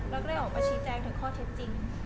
แล้วก็เลยออกมาชี้แจงถึงข้อเท็จจริง